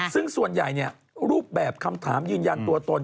ซึ่งส่วนใหญ่รูปแบบคำถามยืนยันตัวตน